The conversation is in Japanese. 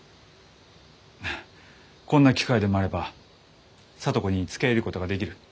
あこんな機会でもあれば聡子につけいることができる。